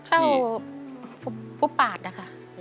เช่าผู้ปาดค่ะ